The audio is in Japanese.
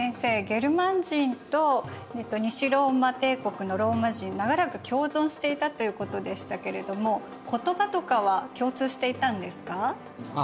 ゲルマン人と西ローマ帝国のローマ人長らく共存していたということでしたけれども言葉とかは共通していたんですか？